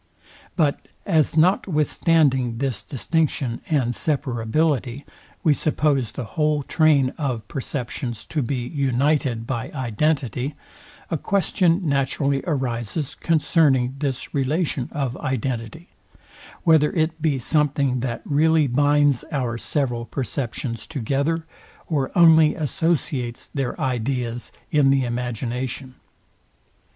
But, as, notwithstanding this distinction and separability, we suppose the whole train of perceptions to be united by identity, a question naturally arises concerning this relation of identity; whether it be something that really binds our several perceptions together, or only associates their ideas in the imagination.